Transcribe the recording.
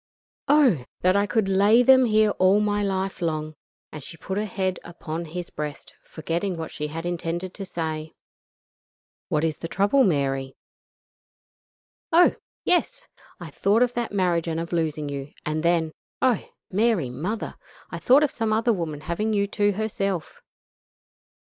Oh! that I could lay them here all my life long," and she put her head upon his breast, forgetting what she had intended to say. "What is the trouble, Mary?" "Oh! yes! I thought of that marriage and of losing you, and then, oh! Mary Mother! I thought of some other woman having you to herself.